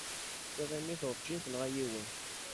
Tiɣimit urǧin tenɣa yiwen.